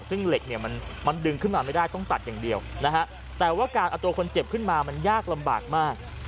ซึ่งเหล็กเนี่ยมันดึงขึ้นมาไม่ได้ต้องตัดอย่างเดียวนะฮะแต่ว่าการเอาตัวคนเจ็บขึ้นมามันยากลำบากมาก